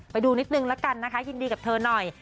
ไปดูนิดนึงละกันนะคะยินดีกับเธอหน่อย